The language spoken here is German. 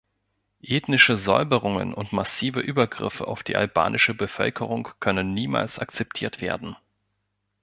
Ethnische Säuberungen und massive Übergriffe auf die albanische Bevölkerung können niemals akzeptiert werden.